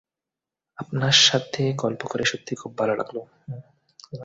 আপনার সাথে গল্প করে সত্যিই খুব ভালো লাগলো।